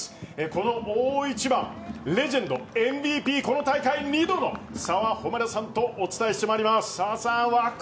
この大一番レジェンド、ＭＶＰこの大会２度の澤穂希さんとお伝えしてまいります。